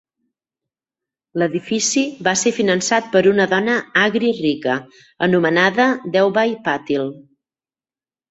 L'edifici va ser finançat per una dona agri rica anomenada Deubai Patil.